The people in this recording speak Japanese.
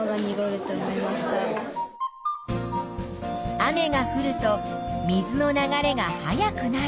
雨がふると水の流れが速くなる。